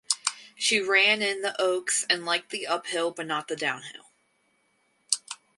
She ran in the Oaks and liked the uphill but not the downhill.